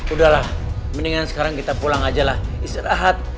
udah lah mendingan sekarang kita pulang aja lah istirahat